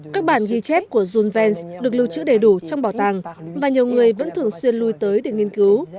các bản ghi chép của junce được lưu trữ đầy đủ trong bảo tàng và nhiều người vẫn thường xuyên lui tới để nghiên cứu